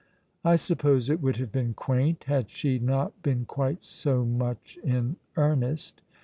I suppose it would have been quaint, had she not been quite so much in earnest.